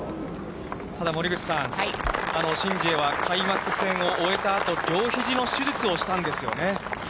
ただ、森口さん、シン・ジエは開幕戦を終えたあと、両ひじの手術をしたんですよね。